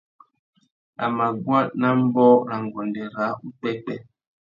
A mà guá nà ambōh râ nguêndê râā upwêpwê.